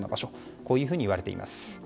こういうふうにいわれています。